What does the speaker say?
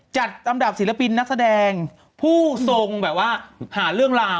จัดอันดับศิลปินนักแสดงผู้ทรงหาเรื่องลาว